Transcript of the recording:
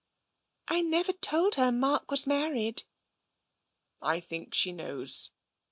" I never told her Mark was married." " I think she knows."